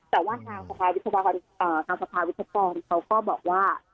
แต่ว่าทางสภาวิทยาลัยทางสภาวิทยาลัยวิทยาลัยฟังเขาก็บอกว่า